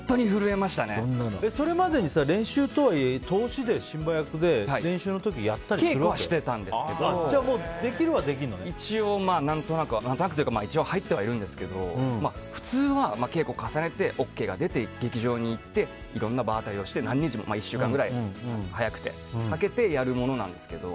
それまでには通しでシンバ稽古はしてたんですけど一応、何となくというか入ってはいるんですけど普通は稽古を重ねてＯＫが出て劇場に行って、場当たりをして１週間くらい早くてかけてやるものなんですけど。